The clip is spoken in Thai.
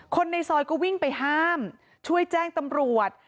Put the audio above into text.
คนในซอยก็วิ่งไปห้ามช่วยแจ้งตำรวจ